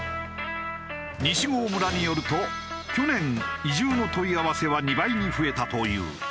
西郷村によると去年移住の問い合わせは２倍に増えたという。